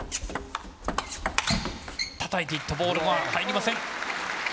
たたいていったボールが入りません。